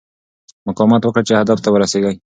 مقاومت وکړه چې هدف ته ورسېږې.